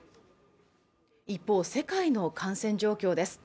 一方世界の感染状況です